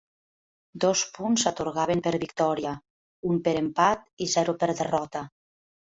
Dos punts s'atorgaven per victòria, un per empat i zero per derrota.